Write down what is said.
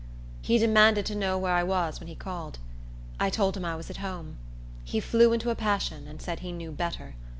He demanded to know where I was when he called. I told him I was at home. He flew into a passion, and said he knew better.